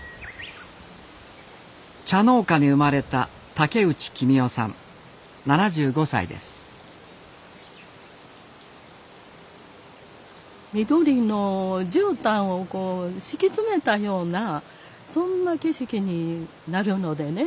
茶農家に生まれた緑のじゅうたんをこう敷き詰めたようなそんな景色になるのでね